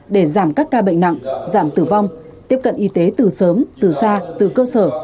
để giảm các ca bệnh nặng giảm tử vong tiếp cận y tế từ sớm từ xa từ cơ sở